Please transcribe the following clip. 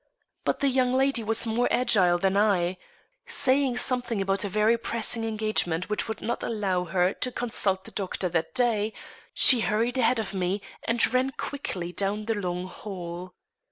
But the young lady was more agile than I. Saying something about a very pressing engagement which would not allow her to consult the doctor that day, she hurried ahead of me and ran quickly down the long hall.